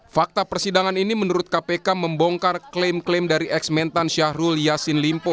fakta persidangan ini menurut kpk membongkar klaim klaim dari eks mentan syahrul yassin limpo